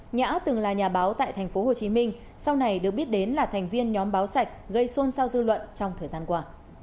nhã từng là nhà báo tại tp hcm sau này được biết đến là thành viên nhóm báo sạch gây xôn xao dư luận trong thời gian qua